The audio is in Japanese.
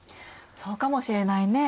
そうかもしれないね。